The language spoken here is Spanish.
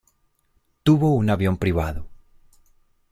Tuvo un avión privado.